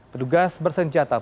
petugas bersenjata pun dikerjakan